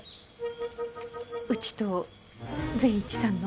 うちと善一さんの。